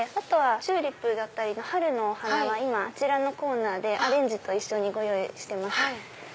チューリップだったり春のお花は今あちらのコーナーでアレンジと一緒にご用意してます。